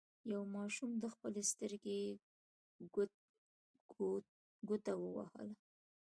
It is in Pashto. یوه ماشوم د خپلې سترګې ګوته ووهله.